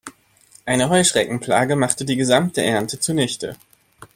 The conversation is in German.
Eine Heuschreckenplage machte die gesamte Ernte zunichte.